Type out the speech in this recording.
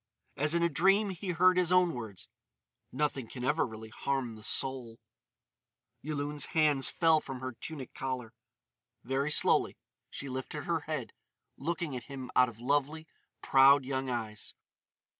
As in a dream he heard his own words: "Nothing can ever really harm the soul." Yulun's hands fell from her tunic collar. Very slowly she lifted her head, looking at him out of lovely, proud young eyes.